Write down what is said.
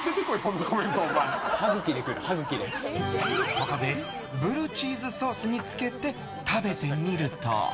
ここでブルーチーズソースにつけて食べてみると。